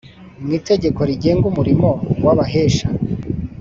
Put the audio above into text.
mu itegeko rigenga umurimo w Abahesha